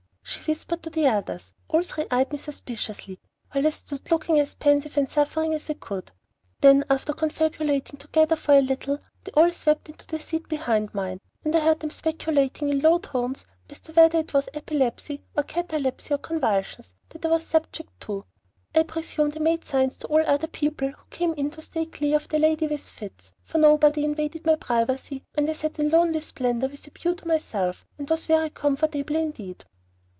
She whispered to the others. All three eyed me suspiciously, while I stood looking as pensive and suffering as I could. Then after confabulating together for a little, they all swept into the seat behind mine, and I heard them speculating in low tones as to whether it was epilepsy or catalepsy or convulsions that I was subject to. I presume they made signs to all the other people who came in to steer clear of the lady with fits, for nobody invaded my privacy, and I sat in lonely splendor with a pew to myself, and was very comfortable indeed.